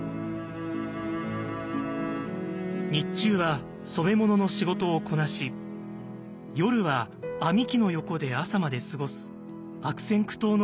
日中は染め物の仕事をこなし夜は編み機の横で朝まで過ごす悪戦苦闘の日々でした。